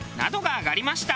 挙がりました。